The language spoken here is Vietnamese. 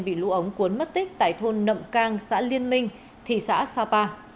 bị lũ ống cuốn mất tích tại thôn nậm cang xã liên minh thị xã sapa